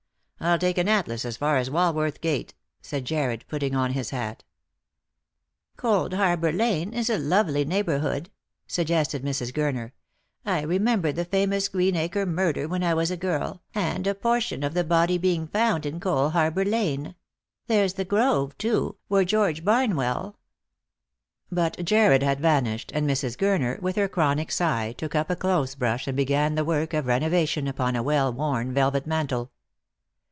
I'll take an Atlas as far as Walworth gate," said Jarred, putting on his hat. " Coldharbour lane is a lovely neighbourhood," suggested Mrs. Gurner. " I remember the famous Greenacre murder when I was a girl, and a portion of the body being found in Coalharbour lane. There'; Hie Grove, too, where George Barn well " But Jarred had vanished, and M\i. Gurner, with her chronio sigh, took up a clothes brush and began the work of renovation upon a well worn velvet mantle.